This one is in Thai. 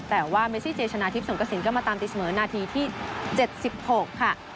แต่ว่าเมซี่เจชนะทิพย์สงกระสินก็มาตามตีเสมอนาทีที่๗๖ค่ะ